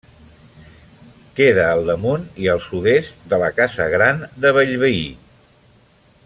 Queda al damunt i al sud-est de la Casa Gran de Bellveí.